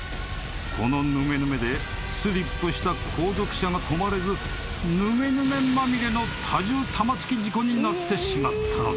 ［このぬめぬめでスリップした後続車が止まれずぬめぬめまみれの多重玉突き事故になってしまったのだ］